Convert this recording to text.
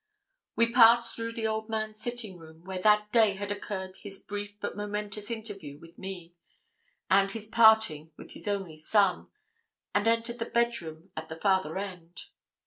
We passed through the old man's sitting room, where that day had occurred his brief but momentous interview with me, and his parting with his only son, and entered the bed room at the farther end.